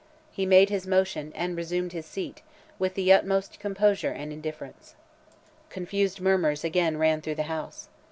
He made his motion, and resumed his seat, with the utmost composure and indifference. "Confused murmurs again ran through the House.